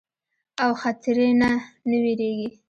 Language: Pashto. او خطري نه نۀ ويريږي